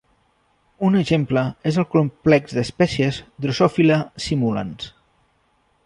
Un exemple és el complex d'espècies 'Drosophila simulans'.